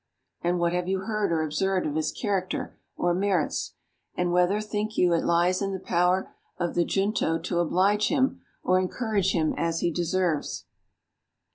And what have you heard or observed of his character or merits? And whether, think you, it lies in the power of the Junto to oblige him, or encourage him as he deserves?